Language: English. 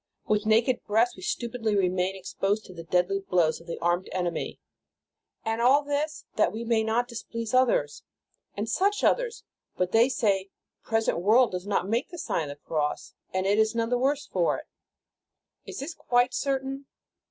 With naked breast, we stupidly remain exposed to the deadly blows of the armed enemy ! And all this, that we may not displease others ; and 298 The Sign of the Cross such others! But they say: "The present world does not make the Sign of the Cross, and it is none the worse for it." Is this quite certain